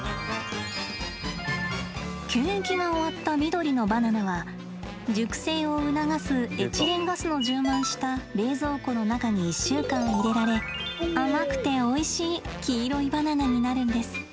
検疫が終わった緑のバナナは熟成を促すエチレンガスの充満した冷蔵庫の中に１週間入れられ甘くておいしい黄色いバナナになるんです。